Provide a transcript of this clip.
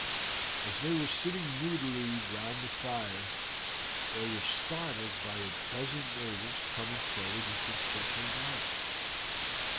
As they were sitting moodily round the fire they were startled by a dozen natives coming forward into the circle of light.